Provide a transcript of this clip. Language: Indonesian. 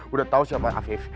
sudah tahu siapa afif